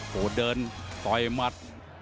โดดเดินต้อยอ่ะมัด